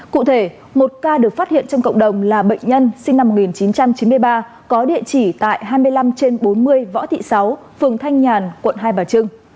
cụ thể một ca được phát hiện trong cộng đồng là bệnh nhân sinh năm một nghìn chín trăm chín mươi ba có địa chỉ tại hai mươi năm trên bốn mươi võ thị sáu phường thanh nhàn quận hai bà trưng